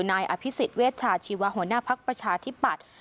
นายอภิษฎเวชชาชีวะหัวหน้าภักดิ์ประชาธิปัตย์